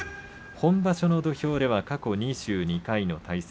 本場所の土俵では過去２２回の対戦。